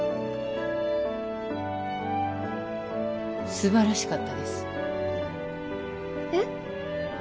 素晴らしかったですえっ？